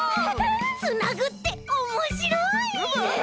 つなぐっておもしろい！